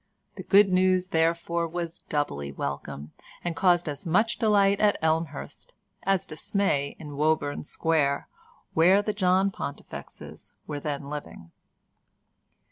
The good news, therefore, was doubly welcome, and caused as much delight at Elmhurst as dismay in Woburn Square, where the John Pontifexes were then living.